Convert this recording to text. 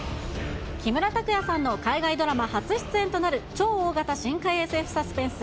木村拓哉さんの海外ドラマ初出演となる超大型深海ＳＦサスペンス。